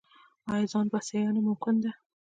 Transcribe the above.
آیا ځان بسیاینه ممکن ده؟